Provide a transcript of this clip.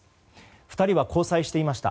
２人は交際していました。